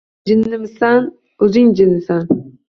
O’zing jinnisan!..